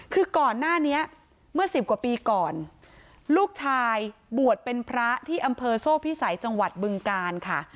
คือก่อนหน้านี้เมื่อสิบกว่าปีก่อนลูกชายบวชเป็นพระที่อำเภอโซ่พิสัยจังหวัดบึงกาลค่ะ